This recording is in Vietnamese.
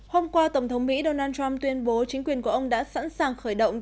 hôm qua tổng thống mỹ donald trump tuyên bố chính quyền của ông đã sẵn sàng khởi động